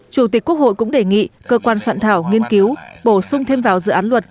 chủ tịch quốc hội cũng đề nghị cơ quan soạn thảo nghiên cứu bổ sung thêm vào dự án luật